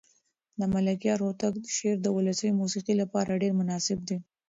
د ملکیار هوتک شعر د ولسي موسیقۍ لپاره ډېر مناسب دی.